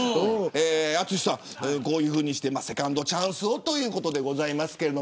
淳さん、こういうふうにしてセカンドチャンスをということです。